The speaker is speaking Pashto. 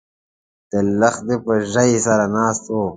د لښتي په ژۍ سره ناست و